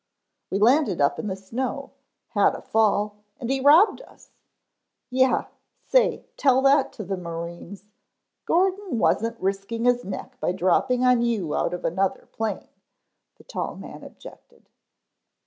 We landed up in the snow, had a fall, and he robbed us " "Yeh. Say, tell that to the marines. Gordon wasn't risking his neck by dropping on you out of another plane," the tall man objected.